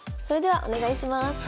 それではお願いします。